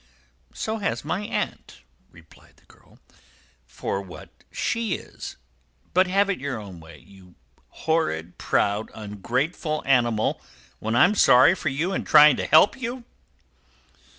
"So has my aunt," replied the girl, "for what she is. But have it your own way. You horrid, proud, ungrateful animal, when I'm sorry for you, and trying to help you!"